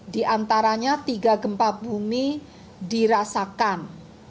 diantaranya tiga gempa bumi dirasakan